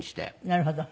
なるほど。